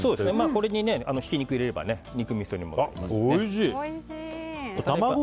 これにひき肉を入れれば肉みそにもなりますしね。